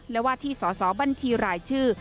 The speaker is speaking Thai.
และว่าที่สอสอบัญชีรายชื่อ